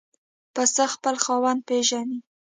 پسه خپل خاوند پېژني.